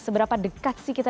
seberapa dekat sih kita